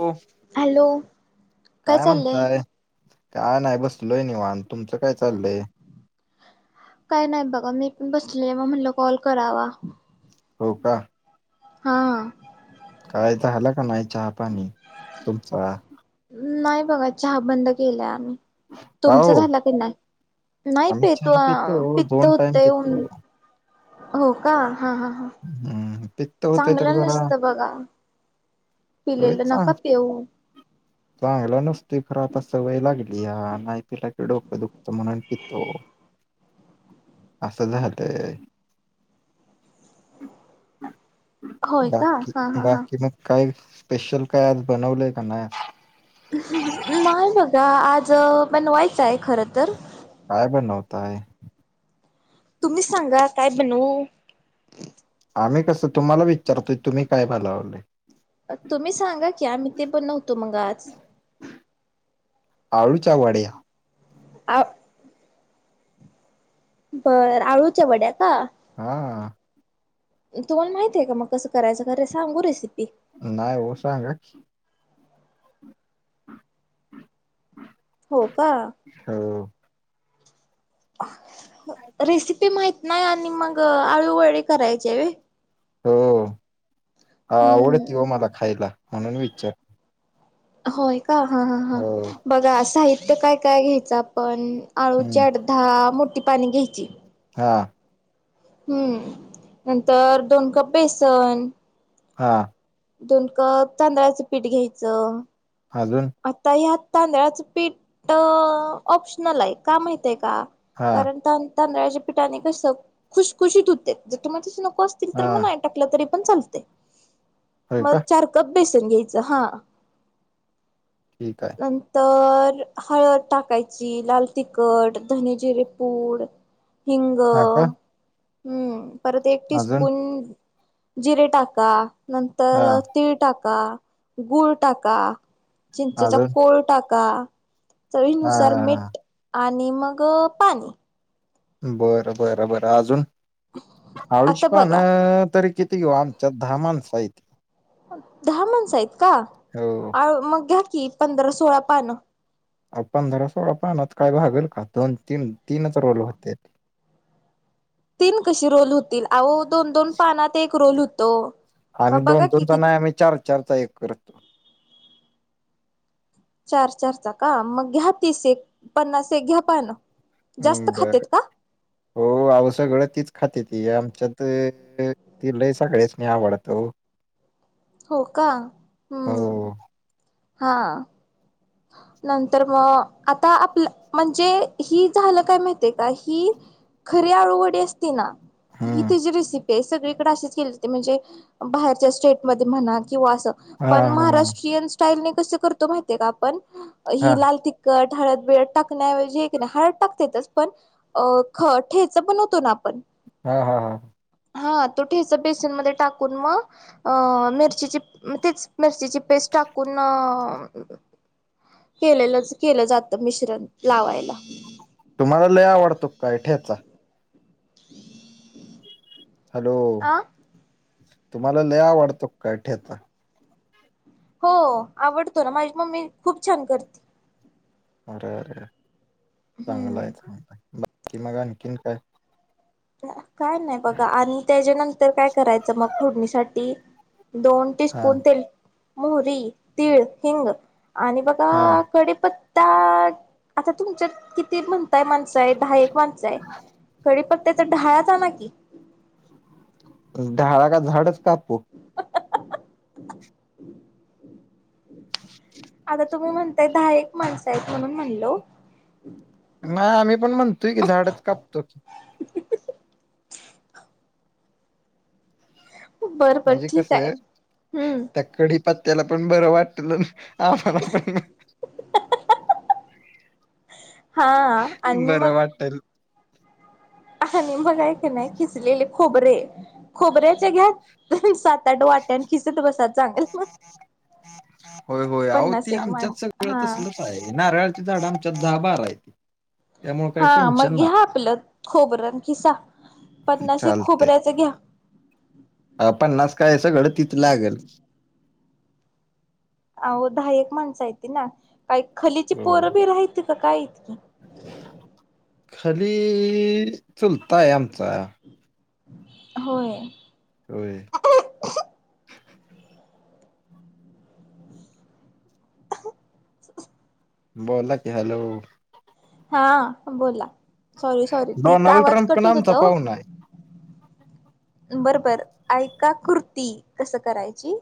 Low. Hello काय म्हणताय? काय नाही बसलोय निवांत. तुमचं काय चाललय? काही नाही बघा. मी पण बसलेले म म्हटलं कॉल करावा. हो का? हा. काय झाला का नाही चहापाणी तुमचा? नाही बघा चहा बंद केलाय आम्ही. का तुमचा हो झालं की नाही? नाही आम्ही पेत ओ चहा अ पितो पित्त दोन होत टाइम म्हणून. पितो हो का? हा ह ह. हम्म, पित्त होतंय तर चांगलं जरा नसतं बघा. रोज पिलेलं. नका चांग पेऊ. चांगलं नसतय, खर आता सवय लागलीया नाही पिल की डोकं दुखतं म्हणून पितो. [inaudible] असं झालंतय. होय का बाकी, हा हा हा बाकी मग काय स्पेशल काय आज बनवलंय का न्हाय? नाही बघा, आज बनवायचंय खर तर. काय बनवताय? तुम्ही सांगा काय बनवू. आम्ही कसं? तुम्हाला विचारतोय तुम्ही काय बनावलय? अ तुम्ही सांगा की आम्ही ते बनवतो मग आज. आळूच्या वड्या आ बरं, आळूच्या वड्या का? हा. तुम्हाला माहतीये का मग कसं करायचं? [unintelligible] सांगू रेसिपी? नाय हो, सांगा की. [inaudible] हो का. हो. रेसिपी माहित नाय, आणि मग आळूवडी करायचीये व्हय? हो आवडती हो हम्म मला खायला, म्हणून विचार होय का? हा हा हा, हो बघा साहित्य काय काय घ्यायचं आपण आळूची हम्म आठ दहा मोठी पान घ्यायची. हा. हम्म नंतर दोन कप बेसन हा. दोन कप तांदळाचं पीठ घ्यायचं. अजून? आता ह्यात तांदळाचं पीठ ऑप्शनल आहे. का माहित आहे का? हा कारण तान तांदळाच्या पीठाने कस खुशखुशीत होते. जर तुम्हाला तस नको असतील तर हा म नाय टाकल तरी पण चालते. होय का मग चार कप बेसन घ्यायच हा. ठीक आहे. नंतर हळद टाकायची, लाल तिखट, धने जिरे पूड हिंग हा का? हम्म परत एक अजून टीस्पून जिरे टाका. हा नंतर तीळ टाका, गूळ टाका. चिंचेचा अजून कोळ टाका. हा चवीनुसार हा हा मीठ आणि मग पाणी. बरं बरं बरं, अजून? अळूची आता पान बघा तरी किती घेऊ? आम च्यात दहा माणसं आहेत. दहा माणसं आहेत का? हो आ मग घ्या की पंधरा सोळा पानं. अहो पंधरा सोळा पानात काय भागल का? दोन, तीन, तीनच रोल होत्यात. तीन कशे रोल होतील? अहो दोन दोन, पानात एक रोल होत आम्ही दोन दोनचा नाही, आम्ही चार चार, चा एक करतो. चार चार चा का? मग घ्या तीस एक, पन्नास एक घ्या पान. हम् बरं. [inaudible] ओ आव सगळं तीच खाते ती. आमच्यात ति लयं सगळयासनी आवडतं ओ. हो का. हम्म, हो [inaudible] हा. नंतर मग, आता आपलं म्हणजे ही झालं काय माहितीय का? ही खरी आळुवडी असती ना, ही हम्म तीची रेसिपी ते सगळीकडे असंच केलेत, म्हणजे बाहेरच्या स्टेट मध्ये म्हणा किंवा असं हा पण हा महाराष्ट्रीयन स्टाईलने कस करतो माहितीय का आपण? हे हा लाल त कट हळद बिळत टाकण्या एवजी की नाही, हळद टाकत्यातच पण अ ख ठेचा बनवतो ना आपण हा हा हा. हा, तो ठेचा बेसनमध्ये टाकून मग अ मिरचीची तीच मिरचीची पेस्ट टाकून अ केलेलंच, केलं जातं मिश्रण लावायला. तुम्हाला लय आवडतो काय ठेचा? [inaudible] हॅलो. आ. [inaudible] तुम्हाला लयं आवडतो काय ठेचा? हो. आवडतो ना, माझी मम्मी खूप छान करते. अरे अरे! [inaudible] चांगलं हम्म. आहे, चांगलं आहे. बाकी मग आणखीन काय? काय नाही बघा. आणि त्याच्यानंतर काय करायचं? मग फोडणीसाठी दोन हा टीस्पून तेल, मोहरी, तीळ, हिंग आणि हा बघा कडीप त्ताऋ आता तुमच्यात किती म्हणताय माणसं आहे, दहा एक माणसं आहे. कडी त्याचा ढाळचा आना की. ढाळा का? झाडच कापू. आता तुम्ही म्हणताय, दहा एक माणसं आहेत म्हणून म्हणलो. नाही आम्ही पण म्हणतोय की, झाडच कापतो. बरं बरं म्हणजे ठीक कस आहे? हम्म त्या कडी पत्त्याला पण बरं वाटल, आम्हाला पण [unintelligible] हा. आणि मग बरं वाटल. आणि मग ये की नाही, किसलेले खोबरे, खोबऱ्याच्या घ्या. सात आठ वाट्या. अन खिसत बसा चांगल. होय [inaudible] पन्नास एक माणस हा. आय नारळांची झाडं आमच्या इथं दहा बारा आहे. त्यामुळे काही हा मग टेन्शन घ्या नाही आपलं खोबर, अन किसा. पन्नास एक चालतंय खोबऱ्याच घ्या. अ पन्नास काय? सगळं तिथं लागल. अहो दहा एक माणस आहेत ना, काय खलीची हो. पोरं बीर आहेत की काय इतकी? खली चुलताय आमचा. [inaudible] होय. होय. [inaudible] बोला की, हॅलो. हा बोला सॉरी, सॉरी ते डोनाल्ड आवाज ट्रम्प पण कट होत आमचा होता ओ. पाहुणा आहे बरं बरं. ऐका कुर्ती कसं करायची?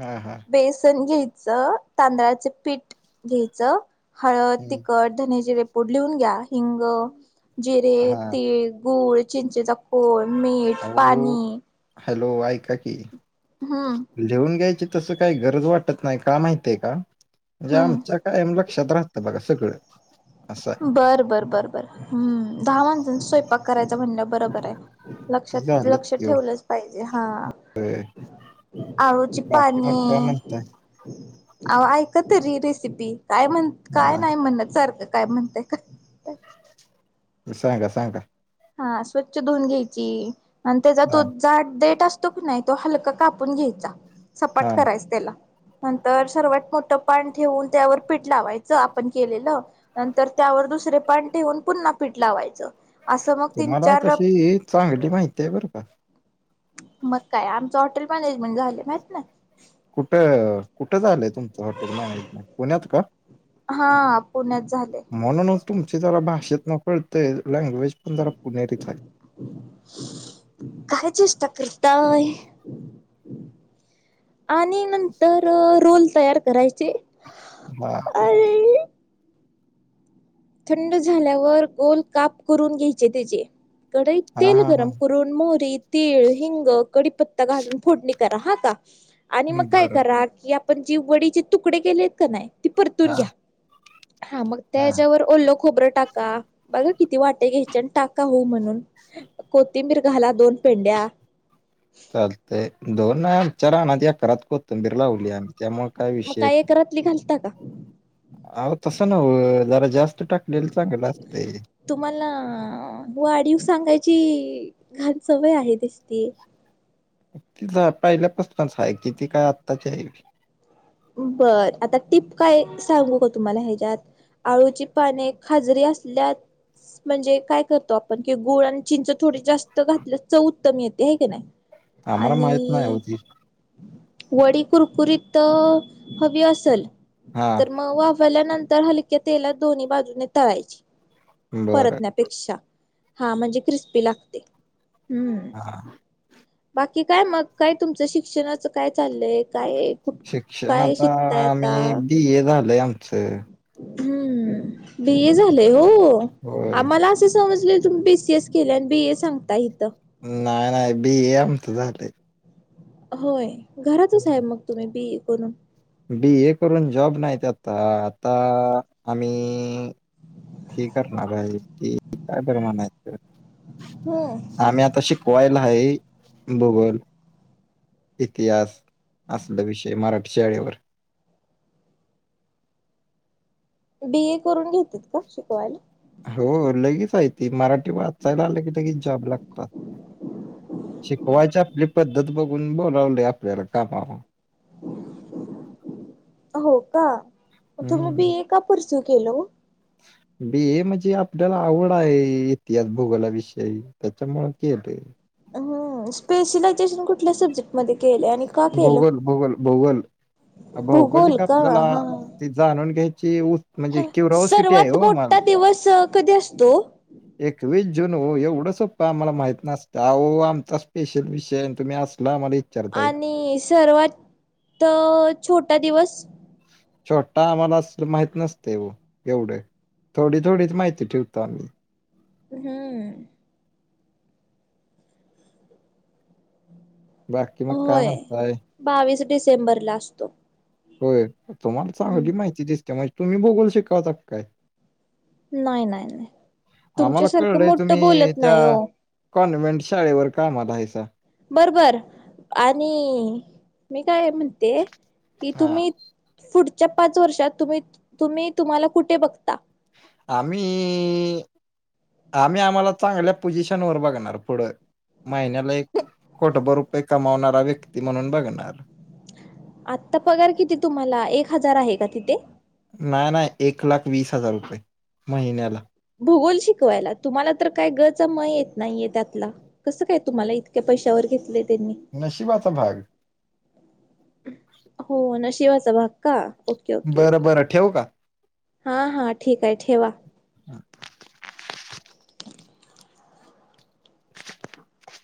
हा हा. बेसन घ्यायचं, तांदळाच पीठ घ्यायचं. हळंद हम्म, तिखट धनेचे रेपूंड लिहूंन घ्यां हिंग जिरे हा तीळ गूंळ चिंचेचा कोळमीठ हो हॅलो आयकां कि हम्मं लिहूंन घ्यायची तसं कांहीं गरंज वाटतं नाहीं कां माहितीय कां म्हणजे आमच्या हम्म कायंम लक्षांत राहतं बघां सगळं चं बरं बरं बरं बरं हं दहा माणसांचा स्वयंपाक करांयचा म्हणलं बरोबर आहे ते लक्षांत झालंच लंक्ष की ठेवलंच पाहिजे हां होय. आळूंची बाकी मग पाणे काय म्हणताय अहो वोऐक तरी रेसिपी कायं म्हणं हा. कायं नाहीं म्हणणं सारखं कामं म्हणतंय कां सांगा सांगा हां स्वंच्छ धुवूंन घ्यायची आणि त्यांचा तूं हा देठं असतो की नाहीं तो हल्कां कापूंन घ्यायचां सपांट हा करायचां त्यांला नंतर सर्वात मोठं पानं ठेवूंन त्यांवर पीठ लावायचं आपणं केलेलं नंतर त्यांवर दुसरे पांण ठेवऊंन पुन्हां पीठ लावायचं असं मग तीन तुम्हांला चार तशी चांगली माहिती आहे बरंका मंग कायं आमचं हॉटेल मॅनेजमेंट झालं माहित नाहीं कुठं कुठं झालंय तुमचं हॉटेल मॅनेजमेंट पुण्यांत कां हां पुण्यांत झाले म्हणूंन तुमची जरां भाषेत नकळते लँग्वेज पणं जरां पुणेरीच आहे कायं चेष्टा करतांय आणि नंतर रोलोल तयार करायचे हां अरे थंड झाल्यांवरं गोलं कांप करूंन घ्यायचे त्याचे कडई हा तेल हा हा गरमं करूंन मोरी तीळ हिंग कडीपता घालूंन फोडणी करां हां कां आणि मंग कायं बरं करां की आपणं जी वडीचे तुकडे केेलेत कां नाहीं ती परतूंन हा घ्यां हां मंग हा त्यांत ओल्लो खोबरं टाकां बघां किती वाटे घ्यायचे आणि टाकां हो म्हणूंन कोथिंबीरघांला दोन पेंड्यां चालतंय दोन आमच्यां राहनांत एकरांत कोथंबीर लावली आम्हीं त्यांमुळे कायं विषय येतं नाहीं इटली घालतां कां अंव तसं नववं जरां जास्तं टाकलेल चांगल असतं तुम्हांला वाढीव सांगायची घांण सवंय आहे दिसती ति पहिल्यापस्तानचं आहे कि ती कायं आत्ताची आहे बरं आंता टिप कायं सांगू कां तुम्हांला ह्यांच्यात आळूंची पानें खाजरी असल्यां म्हणजे कायं करतो आपणं की गुंळ आणि चिंच थोडी जास्तं घातली चवं उत्तम येते आहे की नाहीं आम्हाला माहित नाही हो आणि ती वडी कुरकुरीत हवी असेल हा तरं मंग वांफ ल्यां नंतर हलक्यां तेलांत दोन्ही बाजूंने तळांयची बरं परंत नं पेक्षा हां म्हणजे क्रिस्पी लागते् हां बाकी कायं मंग कायं तुमचं शिक्षणाचं कायं चाललंय कायं कुं शिक्षणं आंता आम्हीं बी ए झालंय आमचं हम्मं बी ए झालेय हो होय आम्हांला असे समजले तुम्हीं बी सी तेच केल्या आणि बी ए हे सांता इथं. नाही नाही. बी ए आमचं झालंय. होय. घरातच साहेब मग तुम्ही बी करून? बी ए करून जॉब नाहीत आता. आता आम्ही हे करणार आहे ते काय बरं म्हणायचं? हो. आम्ही आता शिकवायला आहे. भूगोल, इतिहास असलं विषय मराठी शाळेवर. बी ए करून घेतेत का शिकवाय? हो. लगेच आहे त मराठी वाचायला आले की लगेच जॉब लागतात. शिकवायची आपली पद्धत बघून बोलावले आपल्याला कामावर. हो का. हम्म तुम्ही बी ए का परसू केलो. बी ए म्हणजे आपल्याला आवड आहे इतिहास, भूगोलाविषयी त्यांच्यामुळ केलंय. हम्म. स्पेशलायझेशन कुठल्या सब्जेक्ट मध्ये केलं? आणि का केलं? भूगोल भूगोल भूगोल भूगोल भौगोलिक का? आपल्याला हा. ते जाणून घ्यायची उत म्हणजे क्युरॉसिटी आहे सर्वात हो मोठ मला दिवस कधी असतो ओ? एकवीस जून ओ एवढं सोप्पं आम्हाला माहित नसतं आवो आमचा स्पेशल विषय तुम्ही असल आम्हा आणि सर्वात छोटा दिवस. छोटा आम्हाला अस माहित नसते व एवढे. थोडी थोडीच माहिती ठेवतो आम्ही. हम्. बाकी मग काय होय म्हणताय? बावीस डिसेंबरला असतो. होय. तुम्हाला चांगली हम्म माहिती दिसते म्हणजे तुम्ही भूगोल शिकावतात काय? नाही नाही नाही आम्हाला तुमच्यासारखं कळलंय मोठं तुम्ही बोलत त्या नाही हो कॉन्व्हेंट शाळेवर कामाला हायसा. बरोबर. आणि मी काय म्हणते कि हा. तुम्ही पुढच्या पाच वर्षात तुम्ही तुम्ही तुम्हाला कुठे बघता? आम्ही आम्ही आम्हाला चांगल्या पोझिशन वर बघणार पुढं. महिन्याला एक कोटबर रुपये कमावणारा व्यक्ती म्हणून बघणार. आत्ता पगार किती तुम्हाला एक हजार आहे का तिथे? नाही नाही. एक लाख वीस हजार रुपये महिन्याला. भूगोल शिकवायला तुम्हाला तर काय ग चा म येत नाहीये त्यातला. कसं काय तुम्हाला इतक्या पैशावर घेतलंय त्यांनी. नशिबाचा भाग. हो. नशिबाचा भाग का. ओके ओके बरं ओके. बरं ठेवू का? हा हा ठीक आहे ठेवा. [inaudible] [unintelligible]